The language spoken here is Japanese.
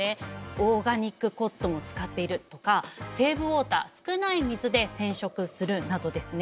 オーガニックコットンを使っているとかセーブウォーター少ない水で染色するなどですね